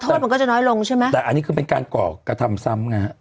มันก็จะน้อยลงใช่ไหมแต่อันนี้คือเป็นการก่อกระทำซ้ำไงฮะ